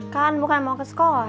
kan bukan mau ke sekolah